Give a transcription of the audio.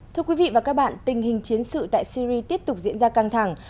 thưa quý vị và các bạn tình hình chiến sự tại syri tiếp tục diễn ra căng thẳng